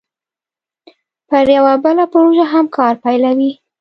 پر یوه بله پروژه هم کار پیلوي